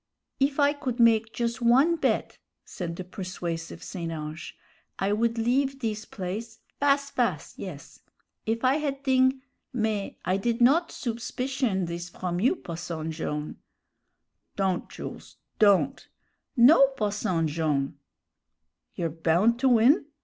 "If I could make jus' one bet," said the persuasive St. Ange, "I would leave this place, fas' fas', yes. If I had thing mais I did not soupspicion this from you, Posson Jone' " "Don't, Jools, don't!" "No, Posson Jone'!" "You're bound to win?"